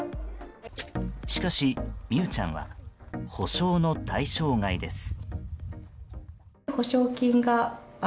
しかし、美羽ちゃんは補償の対象外です。